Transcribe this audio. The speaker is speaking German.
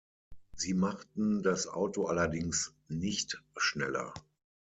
Sie machten das Auto allerdings nicht schneller.